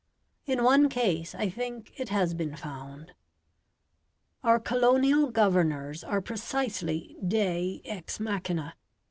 In one case I think it has been found. Our colonial governors are precisely Dei ex machina.